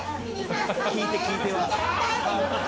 「聞いて聞いて」は。